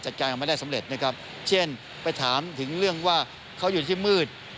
จัดการกันไม่ได้สำเร็จเช่นไปถามถึงเรื่องว่าเขาอยู่ที่มืด